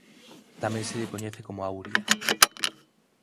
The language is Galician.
Tamén se lle coñece como Auria.